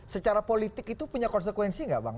secara politik itu punya konsekuensi nggak bang